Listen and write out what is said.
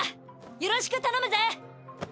よろしく頼むぜ！